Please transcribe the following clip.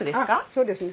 そうですね。